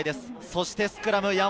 そしてスクラム。